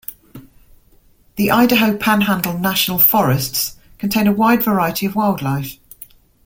The Idaho Panhandle National Forests contain a wide variety of wildlife.